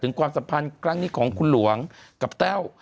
ความสัมพันธ์ครั้งนี้ของคุณหลวงกับแต้ว